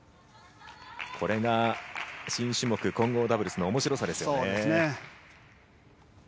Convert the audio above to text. これが新種目混合ダブルスの面白さですよね。